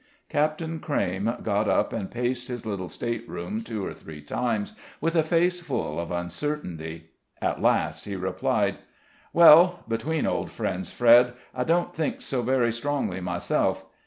Captain Crayme got up and paced his little stateroom two or three times, with a face full of uncertainty. At last he replied: "Well, between old friends, Fred, I don't think so very strongly myself.